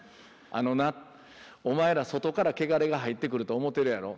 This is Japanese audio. あのなお前ら外からけがれが入ってくると思てるやろ。